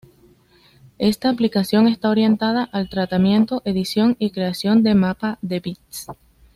Esta aplicación está orientada al tratamiento, edición y creación de mapa de bits.